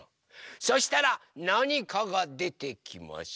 そしたらなにかがでてきます！